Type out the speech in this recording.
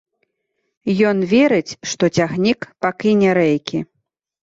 Ён верыць, што цягнік пакіне рэйкі.